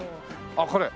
あっこれ？